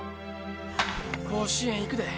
甲子園行くで。